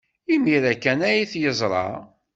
Imir-a kan ay t-yeẓra.